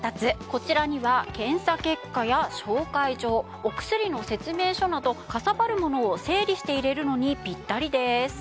こちらには検査結果や紹介状お薬の説明書などかさばるものを整理して入れるのにピッタリです。